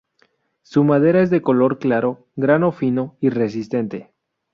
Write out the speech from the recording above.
Su madera es de color claro, grano fino y resistente.